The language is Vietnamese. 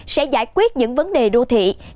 sẽ giải quyết những vấn đề quan trọng của các loại cây